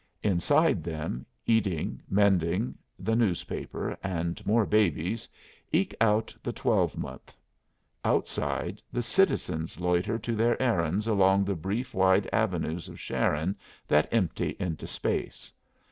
Inside them, eating, mending, the newspaper, and more babies, eke out the twelvemonth; outside, the citizens loiter to their errands along the brief wide avenues of Sharon that empty into space.